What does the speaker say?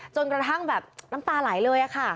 จนกระทั่งแบบน้ำตาไหลเลยค่ะ